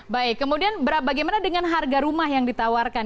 baik kemudian bagaimana dengan harga rumah yang ditawarkan